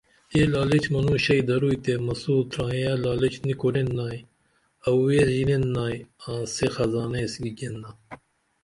یہ لالچ منو شئی دروئی تے مسو ترائییہ لالچ نی کُرینائی اوو ایس ژینینن نا آں سے خزانہ ایس گیگین نا